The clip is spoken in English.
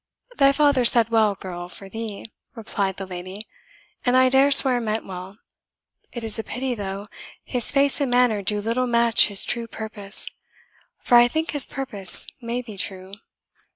"Thy father said well, girl, for thee," replied the lady, "and I dare swear meant well. It is a pity, though, his face and manner do little match his true purpose for I think his purpose may be true."